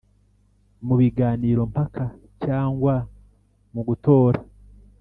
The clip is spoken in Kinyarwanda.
mu biganiro mpaka cyangwa mu gutora